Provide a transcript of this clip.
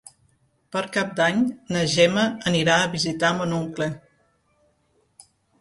Per Cap d'Any na Gemma anirà a visitar mon oncle.